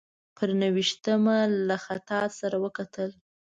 پر نهه ویشتمه له خطاط سره وکتل.